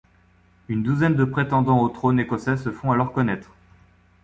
Une douzaine de prétendants au trône écossais se font alors connaître.